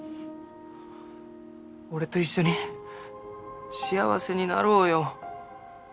俺と一緒に幸せになろうよ。